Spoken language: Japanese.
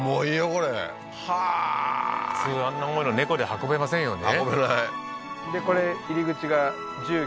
これはあー普通あんな重いのネコで運べませんよね